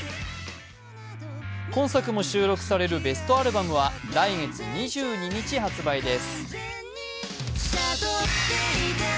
今作も収録されるベストアルバムは来月２２日発売です。